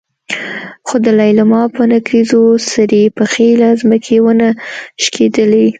خو د لېلما په نکريزو سرې پښې له ځمکې ونه شکېدلې.